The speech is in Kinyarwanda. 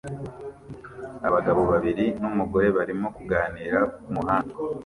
Abagabo babiri numugore barimo kuganira kumuhanda